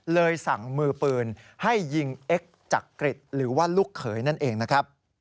สั่งมือปืนให้ยิงเอ็กซ์จักริตหรือว่าลูกเขยนั่นเองนะครับ